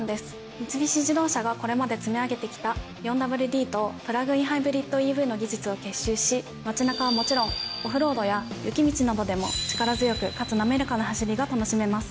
三菱自動車がこれまで積み上げてきた４ＷＤとプラグインハイブリッドＥＶの技術を結集し街中はもちろんオフロードや雪道などでも力強くかつ滑らかな走りが楽しめます。